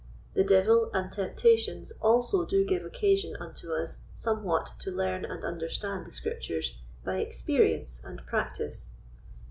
The devil and temptations also do give occasion unto us somewhat to learn and understand the Scriptures by experience and practice.